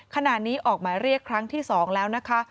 ขณะนี้ออกหมายเรียกครั้งที่๒แล้วนะคะ